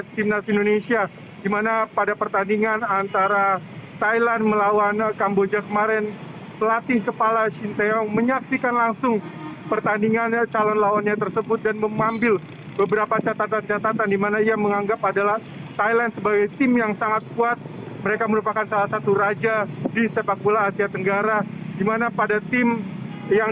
timnas indonesia sendiri baru berhasil meraih medal sea games di cabang olahraga sepak bola indonesia